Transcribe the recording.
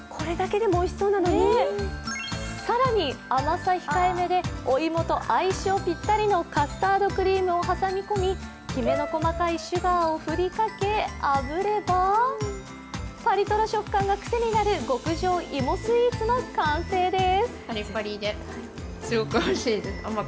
そこに甘さ控えめでお芋と相性ぴったりのカスタードクリームを挟み込み、きめの細かいシュガーを振りかけあぶればパリとろ食感が癖になる極上芋スイーツの完成です。